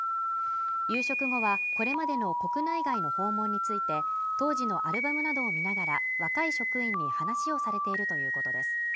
夕食後はこれまでの国内外の訪問について当時のアルバムなどを見ながら若い職員に話をされているということです